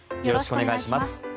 よろしくお願いします。